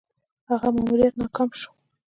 هغه ماموریت ناکام شو.